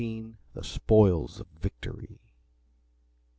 The Spoils of Victory.